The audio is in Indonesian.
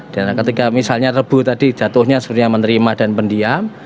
dan ketika misalnya rebu tadi jatuhnya sebenarnya menerima dan pendiam